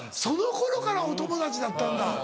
その頃からお友達だったんだ。